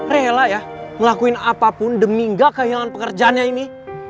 rela ya ngelakuin apapun demi gak kehilangan pekerjaannya ini